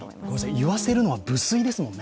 言わせるのは無粋ですもんね。